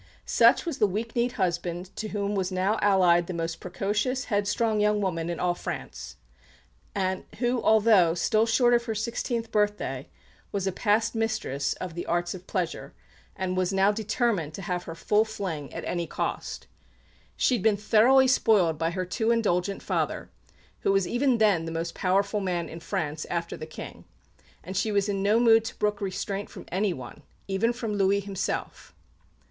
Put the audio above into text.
Such was the weak kneed husband to whom was now allied the most precocious, headstrong young woman in all France; who, although still short of her sixteenth birthday, was a past mistress of the arts of pleasure, and was now determined to have her full fling at any cost. She had been thoroughly spoiled by her too indulgent father, who was even then the most powerful man in France after the King; and she was in no mood to brook restraint from anyone, even from Louis himself.